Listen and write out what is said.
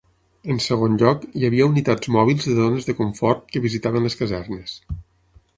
En segon lloc, hi havia unitats mòbils de dones de confort que visitaven les casernes.